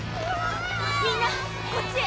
みんなこっちへ！